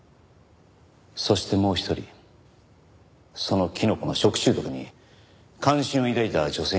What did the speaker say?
そしてもう一人そのキノコの食中毒に関心を抱いた女性がいました。